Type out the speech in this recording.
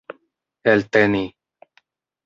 elteni